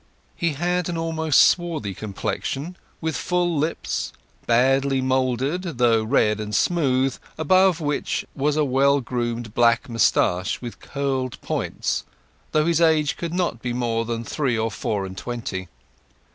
He had an almost swarthy complexion, with full lips, badly moulded, though red and smooth, above which was a well groomed black moustache with curled points, though his age could not be more than three or four and twenty.